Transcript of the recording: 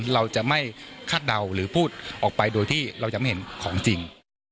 เราจะไม่คาดเดาหรือพูดออกไปโดยที่เราจะไม่เห็นของจริง